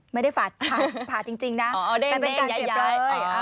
ไม่ได้ฝ่าผ่าจริงนะแต่เป็นการเสียบเลยอ่อเอาได้ยาย